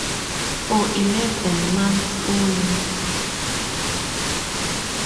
For eleven months only.